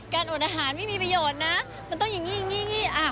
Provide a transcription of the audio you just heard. การอดอาหารไม่มีประโยชน์นะมันต้องอย่างนี้